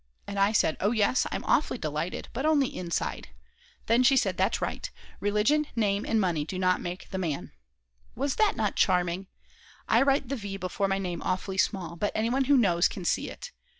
And I said: "Oh yes, I'm awfully delighted, but only inside," then she said: That's right; "Religion, name, and money do not make the man." Was not that charming! I write the v before my name awfully small; but anyone who knows can see it.